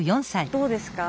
どうですか？